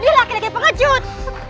dia laki laki pengajut